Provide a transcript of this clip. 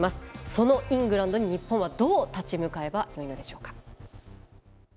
そのイングランドに日本はどう立ち向かえばよいのでしょうか。